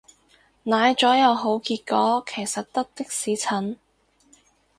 奶咗有好結果其實得的士陳